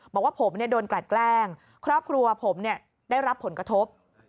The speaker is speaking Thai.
บอกว่าผมโดนกลัดแกล้งครอบครัวผมได้รับผลกระทบ